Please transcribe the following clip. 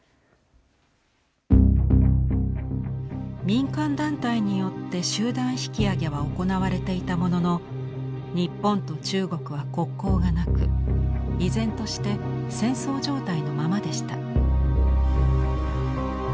民間団体によって集団引き揚げは行われていたものの日本と中国は国交がなく依然として戦争状態のままでした。